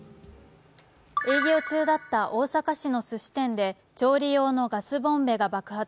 営業中だった大阪市のすし店で調理用のガスボンベが爆発。